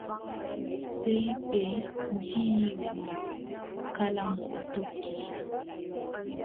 Sey ɓe ndiiwi mo. Kala mo o tokki.